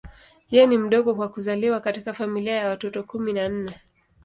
Yeye ni mdogo kwa kuzaliwa katika familia ya watoto kumi na nne.